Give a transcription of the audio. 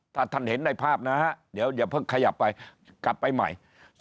ถ้าท่านเห็นในภาพนะฮะเดี๋ยวอย่าเพิ่งขยับไปกลับไปใหม่